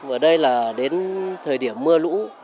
ở đây là đến thời điểm mưa lũ